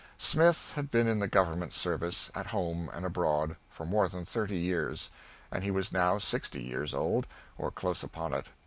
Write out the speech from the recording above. Smith had been in the Government service, at home and abroad, for more than thirty years, and he was now sixty years old, or close upon it.